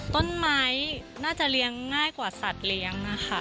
ต้นไม้น่าจะเลี้ยงง่ายกว่าสัตว์เลี้ยงนะคะ